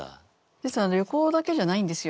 ですが旅行だけじゃないんですよ。